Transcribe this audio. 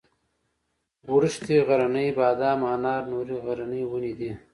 وړښتی غرنی بادام انار نورې غرنۍ ونې دي.